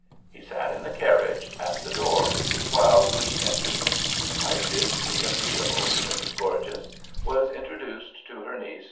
He sat in the carriage, at the door, while we entered. I did the agreeable to Mrs. Gorges, was introduced to her niece.